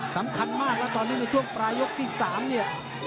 แล้วตอนนี้ในช่วงปลายกที่๓เนี่ย